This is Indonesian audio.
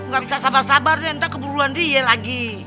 gak bisa sabar sabarnya ntar keburuan dia lagi